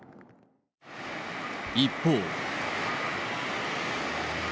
一方。